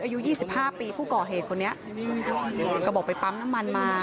อายุ๒๕ปีผู้ก่อเหตุคนนี้ก็บอกไปปั๊มน้ำมันมา